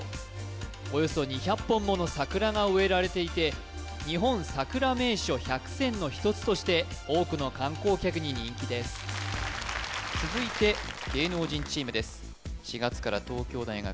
およそ２００本もの桜が植えられていて日本さくら名所１００選の一つとして多くの観光客に人気です続いて芸能人チームです